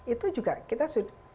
itu juga kita